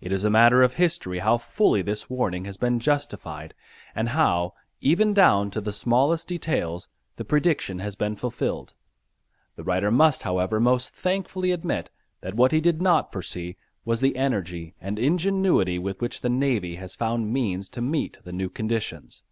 It is a matter of history how fully this warning has been justified and how, even down to the smallest details, the prediction has been fulfilled. The writer must, however, most thankfully admit that what he did not foresee was the energy and ingenuity with which the navy has found means to meet the new conditions.